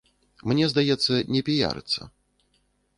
Мне здаецца, не піярыцца.